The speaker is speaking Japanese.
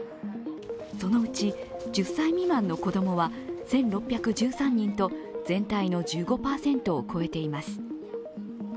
そのうち１０歳未満の子供は１６１３人と全体の１５％を超えています。